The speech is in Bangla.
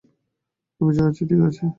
আমি যা বলছি, ঠিকই বলছি।